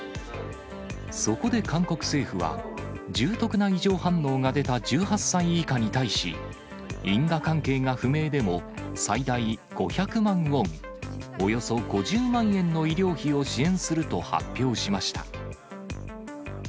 そこで韓国政府は、重篤な異常反応が出た１８歳以下に対し、因果関係が不明でも、最大５００万ウォン、およそ５０万円の医療費を支援すると発表しました。